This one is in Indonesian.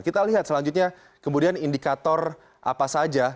kita lihat selanjutnya kemudian indikator apa saja